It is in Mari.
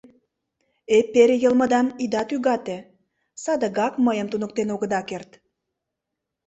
Эпере йылмыдам ида тӱгате, садыгак мыйым туныктен огыда керт.